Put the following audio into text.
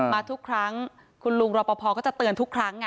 มาทุกครั้งคุณลุงรอปภก็จะเตือนทุกครั้ง